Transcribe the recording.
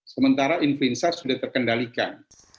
sementara influenza sudah terkendalikan